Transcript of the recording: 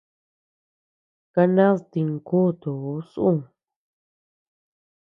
Kanad tinu kutu su.